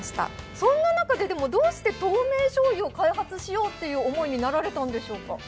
そんな中でどうして透明醤油を開発しようと思うようになったんでしょうか？